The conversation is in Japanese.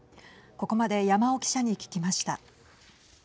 ここまで山尾記者に聞きました。